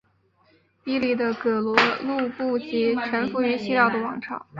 伊犁的葛逻禄部即臣服于西辽王朝。